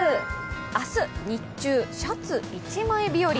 明日日中、シャツ１枚日和。